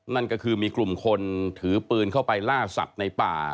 นั่นก็คือมีกลุ่มคนถือปืนเข้าไปล่าสัตว์ในป่า